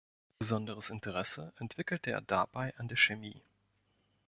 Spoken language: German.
Besonderes Interesse entwickelte er dabei an der Chemie.